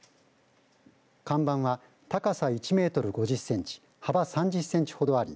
看板は高さ１メートル５０センチ幅３０センチほどあり